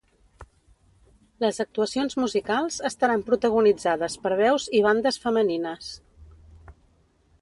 Les actuacions musicals estaran protagonitzades per veus i bandes femenines.